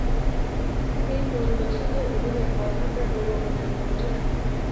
তিনি পুরন্দর সিংহের অধীনে বরভাণ্ডার বরুয়া পদে নিযুক্ত ছিলেন।